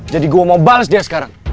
jadi gue mau bales dia sekarang